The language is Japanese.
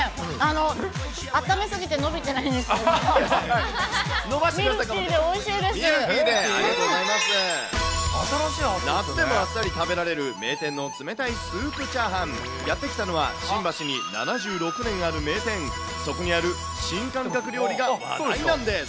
のばしてください、ミルキー、ありがとうござい夏でもあっさり食べられる名店の冷たいスープチャーハン、やって来たのは、新橋に７６年ある名店、そこにある新感覚料理が話題なんです。